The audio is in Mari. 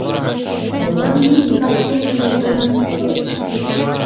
— Молан мыйым калык ончылно тынар мыскылет?